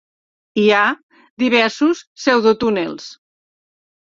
Hi ha diversos pseudotúnels.